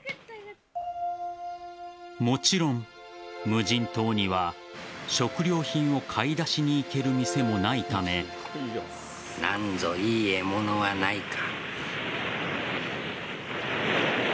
もちろん無人島には食料品を買い出しに行ける何ぞいい獲物がないか。